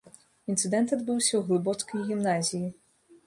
Інцыдэнт адбыўся ў глыбоцкай гімназіі.